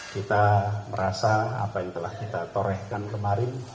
kita merasa apa yang telah kita torehkan kemarin